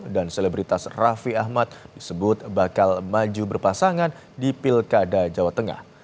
dan selebritas rafi ahmad disebut bakal maju berpasangan di pilkada jawa tengah